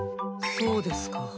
そうですか。